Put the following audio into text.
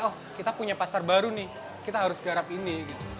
oh kita punya pasar baru nih kita harus garap ini